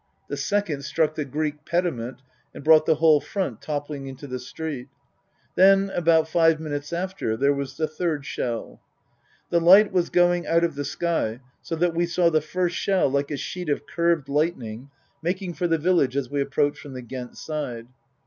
The second struck the Greek pediment and brought the whole front toppling into the street. Then, about five minutes after, there was the third shell. The light was going out of the sky, so that we saw the first shell like a sheet of curved lightning making for the village as we approached from the Ghent side.